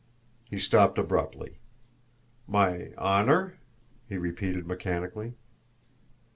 He stopped abruptly. "My honour?" he repeated mechanically.